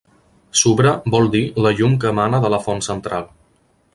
"Subra" vol dir "la llum que emana de la font central".